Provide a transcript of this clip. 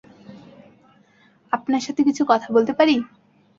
আপনার সাথে কিছু কথা বলতে পারি?